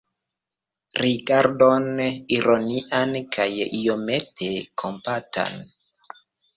Rigardon ironian kaj iomete kompatan.